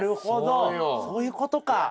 そういうことか。